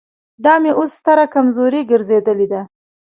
دا مې اوس ستره کمزوري ګرځېدلې ده.